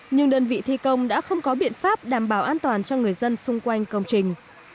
nhưng đơn vị thi công đã không có biện pháp đảm bảo an toàn cho người dân xung quanh công trình